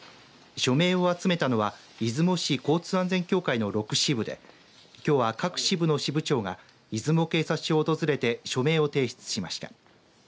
署名を集めたのは出雲市交通安全協会の６支部できょうは各支部の支部長が出雲警察署を訪れて署名を提出しました。